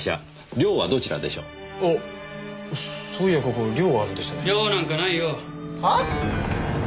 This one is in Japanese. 寮なんかないよ。